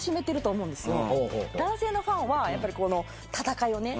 男性のファンはやっぱり戦いをね